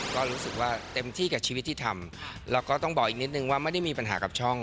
ก็รู้สึกว่าเต็มที่กับชีวิตที่ทำแล้วก็ต้องบอกอีกนิดนึงว่าไม่ได้มีปัญหากับช่อง